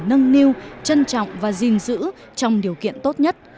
nâng niu trân trọng và gìn giữ trong điều kiện tốt nhất